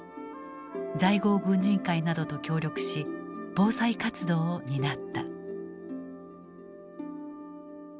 在郷軍人会などと協力し防災活動を担った。